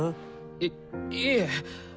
いいえ！